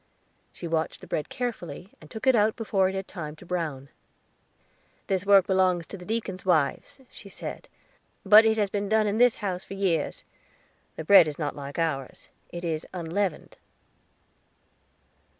She watched the bread carefully, and took it out before it had time to brown. "This work belongs to the deacons' wives," she said; "but it has been done in this house for years. The bread is not like ours it is unleavened."